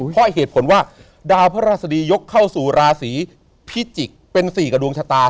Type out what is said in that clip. เพราะเหตุผลว่าดาวพระราชดียกเข้าสู่ราศีพิจิกษ์เป็น๔กับดวงชะตา